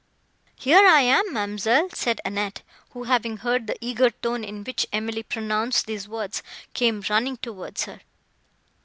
"Here I am, ma'amselle," said Annette, who, having heard the eager tone, in which Emily pronounced these words, came running towards her.